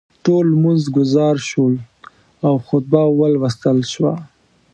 ټول لمونځ ګزار شول او خطبه ولوستل شوه.